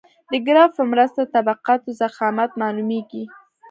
د ګراف په مرسته د طبقاتو ضخامت معلومیږي